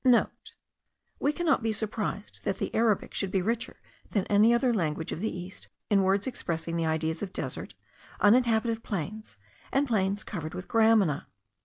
(* We cannot be surprised that the Arabic should be richer than any other language of the East in words expressing the ideas of desert, uninhabited plains, and plains covered with gramina.